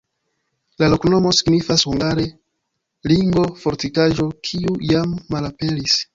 La loknomo signifas hungare: ringo-fortikaĵo, kiu jam malaperis.